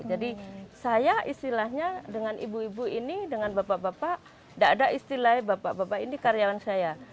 jadi saya istilahnya dengan ibu ibu ini dengan bapak bapak gak ada istilahnya bapak bapak ini karyawan saya